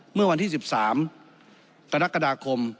เมื่อวันที่๑๓กรกฎาคม